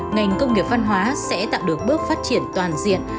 ngành công nghiệp văn hóa sẽ tạo được bước phát triển toàn diện